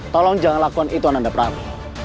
tolong jangan lakukan itu nanda prabu